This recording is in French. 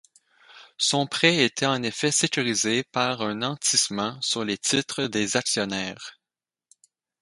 Son prêt était en effet sécurisé par un nantissement sur les titres des actionnaires.